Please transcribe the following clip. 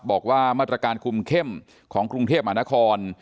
บอกว่ามาตรการคุมเข้มของกรุงเทพมหานคร